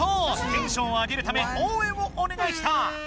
テンションを上げるためおうえんをお願いした！